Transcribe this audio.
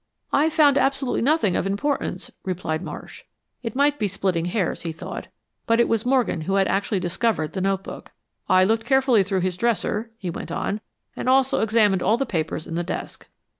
"I found absolutely nothing of importance," replied Marsh. It might be splitting hairs, he thought, but it was Morgan who had actually discovered the notebook. "I looked carefully through his dresser," he want on, "and also examined all the papers in the desk."